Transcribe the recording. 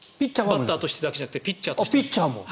バッターとしてだけじゃなくてピッチャーも。